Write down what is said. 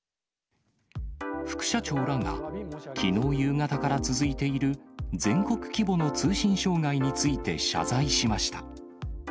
副社長らが、きのう夕方から続いている、全国規模の通信障害について謝罪しました。